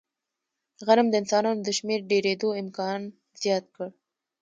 غنم د انسانانو د شمېر ډېرېدو امکان زیات کړ.